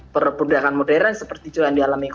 penyanderaan seperti itu yang di alami